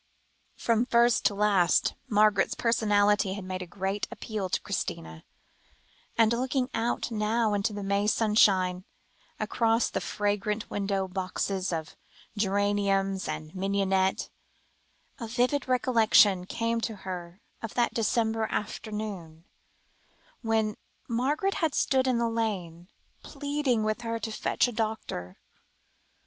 From first to last, Margaret's personality had made a great appeal to Christina, and looking out now into the May sunshine, across the fragrant window boxes of geranium and mignonette, a vivid recollection came to her of that December afternoon, when Margaret had stood in the lane, pleading with her to fetch a doctor.